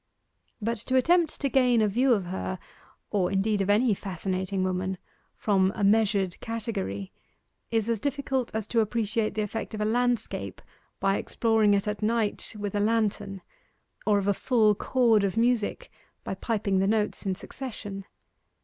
But to attempt to gain a view of her or indeed of any fascinating woman from a measured category, is as difficult as to appreciate the effect of a landscape by exploring it at night with a lantern or of a full chord of music by piping the notes in succession.